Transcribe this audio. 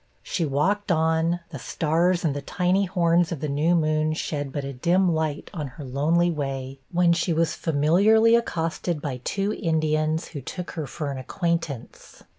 She walked on, the stars and the tiny horns of the new moon shed but a dim light on her lonely way, when she was familiarly accosted by two Indians, who took her for an acquaintance.